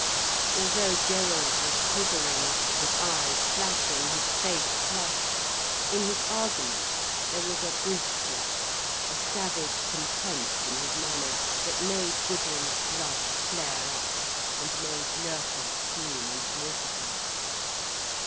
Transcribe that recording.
Although Gerald was quivering, his eyes flashing, his face flushed, in his argument there was a brusqueness, a savage contempt in his manner, that made Gudrun's blood flare up, and made Loerke keen and mortified.